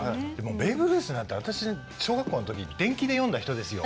ベーブ・ルースなんて私小学校のとき伝記で読んだ人ですよ。